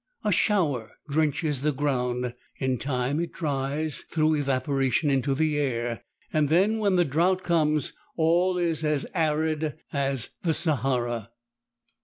A shower drenches the ground. In time it dries, through evaporation into the air, and then when the drought comes all is arid as the Sahara.